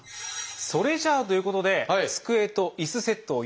それじゃあということで机と椅子セットを用意しました。